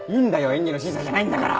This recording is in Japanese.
演技の審査じゃないんだから！